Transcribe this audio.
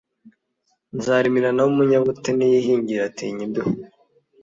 nzarimirana w’umunyabute ntiyihingira atinya imbeho,